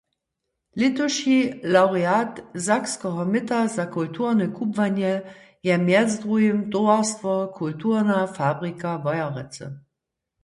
Lětuši lawreat sakskeho myta za kulturne kubłanje je mjez druhim towarstwo Kulturna fabrika Wojerecy.